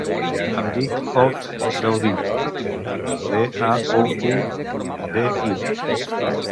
Em dic Ot Daoudi: de, a, o, u, de, i.